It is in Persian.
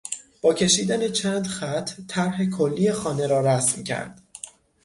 با کشیدن چند خط طرح کلی خانه را رسم کرد.